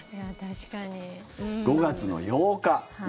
５月の８日。